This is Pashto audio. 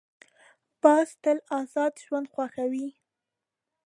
باز تل آزاد ژوند خوښوي